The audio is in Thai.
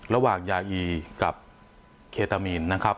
ระหว่างยาอีกับเคตามิน